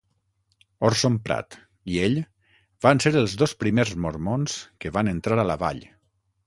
Orson Pratt i ell van ser els dos primers mormons que van entrar a la vall.